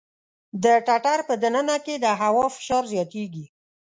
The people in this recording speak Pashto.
د ټټر په د ننه کې د هوا فشار زیاتېږي.